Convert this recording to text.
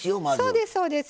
そうですそうです。